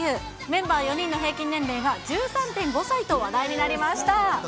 メンバー４人の平均年齢が１３．５歳と話題になりました。